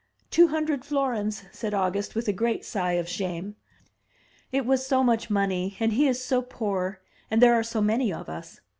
"Two hundred florins," said August, with a great sigh of shame. " It was so much money, and he is so poor, and there are so many of us."